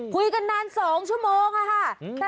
คุยกันนาน๒ชั่วโมงค่ะ